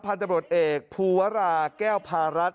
พันธุ์ตำรวจเอกภูวราแก้วพารัฐ